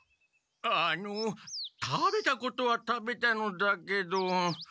あの食べたことは食べたのだけど。